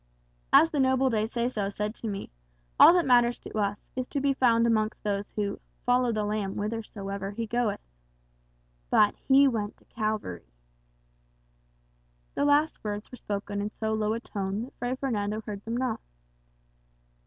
As the noble De Seso said to me, all that matters to us is to be found amongst those who 'follow the Lamb whithersoever he goeth.' But he went to Calvary." The last words were spoken in so low a tone that Fray Fernando heard them not.